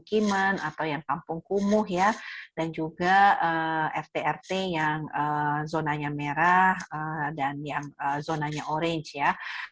kiman atau yang kampung kumuh ya dan juga rt rt yang zonanya merah dan yang zonanya orange ya